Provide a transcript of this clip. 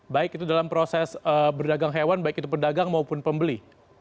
baik itu dalam proses berdagang hewan pedagang maupun pembeli